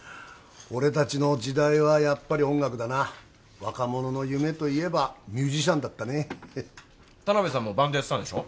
俺達の時代はやっぱり音楽だな若者の夢といえばミュージシャンだったねヘヘッ田辺さんもバンドやってたんでしょ？